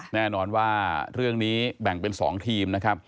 แน่นอนว่าเรื่องนี้แบ่งเป็น๒ทีมนะครับ